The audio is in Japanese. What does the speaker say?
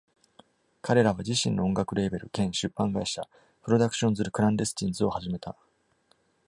彼らは自身の音楽レーベル兼出版会社 Productions Clandestines を始めた。